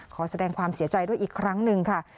ขอแสดงความเสียใจด้วยอีกครั้งหนึ่งค่ะ